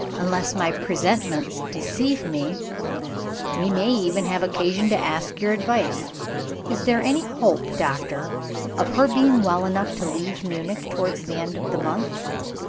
"Unless my presentiments deceive me, we may even have occasion to ask your advice. Is there any hope, doctor, of her being well enough to leave Munich, towards the end of the month?"